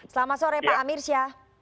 selamat sore pak amirsyah